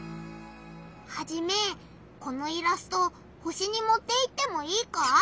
ハジメこのイラスト星にもっていってもいいか？